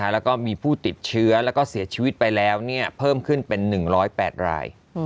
แล้วก็มีผู้ติดเชื้อแล้วก็เสียชีวิตไปแล้วเพิ่มขึ้นเป็น๑๐๘ราย